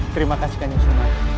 terima kasih kanjeng sunan